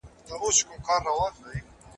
زه مخکي سبزیجات تيار کړي وو